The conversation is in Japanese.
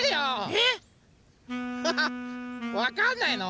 えっ⁉わかんないの？